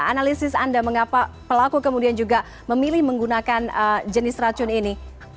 analisis anda mengapa pelaku kemudian juga memilih menggunakan jenis racun ini